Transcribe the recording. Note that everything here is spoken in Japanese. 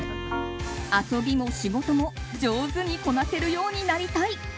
遊びも仕事も上手にこなせるようになりたい。